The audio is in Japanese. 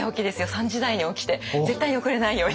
３時台に起きて絶対に遅れないように。